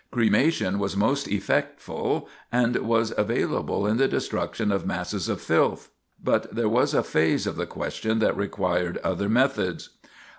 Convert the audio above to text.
Cremation was most effectful, and was available in the destruction of masses of filth; but there was a phase of the question that required other methods.